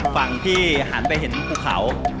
ฝั่งที่หันไปเห็นภูเขา